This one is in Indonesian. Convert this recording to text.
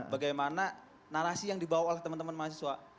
bagaimana narasi yang dibawa oleh teman teman mahasiswa